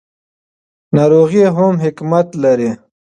ناروغي هم حکمت لري.